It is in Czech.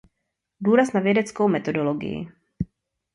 Důraz na vědeckou metodologii.